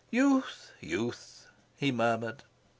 "Youth, youth!" he murmured.